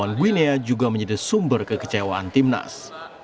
lawan gwinia juga menjadi sumber kekecewaan timnas